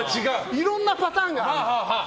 いろんなパターンがある。